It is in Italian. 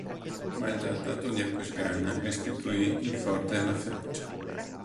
Ma il Trattato di Aquisgrana restituì il forte alla Francia.